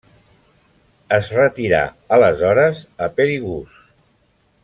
Es retirà aleshores a Perigús.